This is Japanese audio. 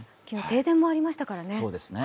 昨日は停電もありましたからね。